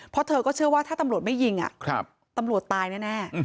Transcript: เพราะเธอก็เชื่อว่าถ้าตำโหลดไม่ยิงอ่ะครับตำโหลดตายแน่แน่